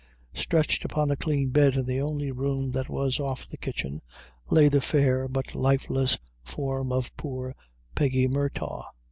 Stretched upon a clean bed in the only room that was off the kitchen, lay the fair but lifeless form of poor Peggy Murtagh.